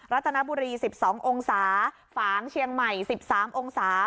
ัตนบุรี๑๒องศาฝางเชียงใหม่๑๓องศา